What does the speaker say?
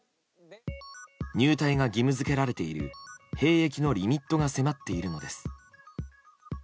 入隊が義務付けられている兵役のリミットが迫っているのです。